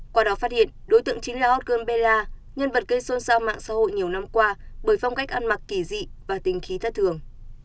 qua đó phát hiện đối tượng chính là hot girlberla nhân vật gây xôn xao mạng xã hội nhiều năm qua bởi phong cách ăn mặc kỳ dị và tình khí thất thường